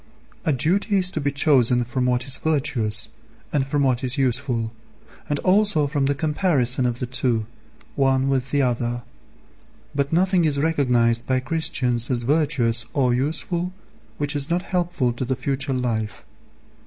A duty is to be chosen from what is virtuous, and from what is useful, and also from the comparison of the two, one with the other; but nothing is recognized by Christians as virtuous or useful which is not helpful to the future life.